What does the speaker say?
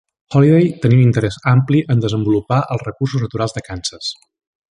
Holliday tenia un interès ampli en desenvolupar els recursos naturals de Kansas.